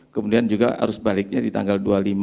kemudian juga arus baliknya di tanggal dua puluh lima